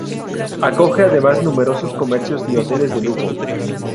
Acoge además numerosos comercios y hoteles de lujo.